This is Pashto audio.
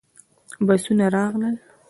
بسونه راغلل.